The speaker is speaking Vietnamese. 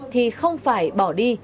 thì không phải bỏ đi